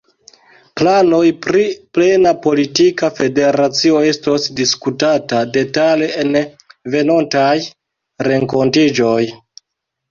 Planoj pri plena politika federacio estos diskutata detale en venontaj renkontiĝoj.